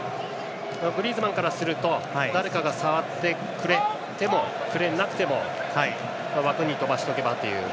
グリーズマンからすると誰かが触ってくれなくても枠に飛ばしておけばという。